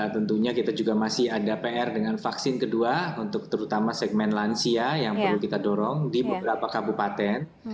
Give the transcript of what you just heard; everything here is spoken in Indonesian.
tentunya kita juga masih ada pr dengan vaksin kedua untuk terutama segmen lansia yang perlu kita dorong di beberapa kabupaten